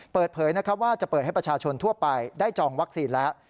เปิดเผยนะครับว่าจะเปิดให้ประชาชนทั่วไปได้จองวัคซีนแล้ว